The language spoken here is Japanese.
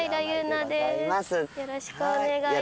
よろしくお願いします。